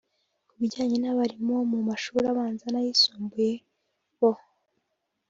Ku bijyanye n’abarimu bo mu mashuri abanza n’ayisumbuye bo